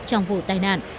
trong vụ tai nạn